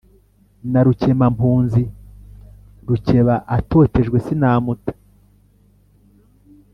Na Rukemampunzi, Rukeba atotejwe sinamuta.